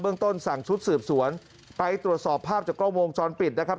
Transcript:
เบื้องต้นสั่งชุดสืบสวนไปตรวจสอบภาพจากกล้องโมงช้อนปิดนะครับ